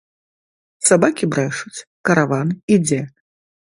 Сабакі брэшуць, караван ідзе!